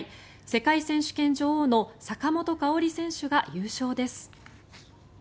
世界選手権女王の坂本花織選手が優勝です。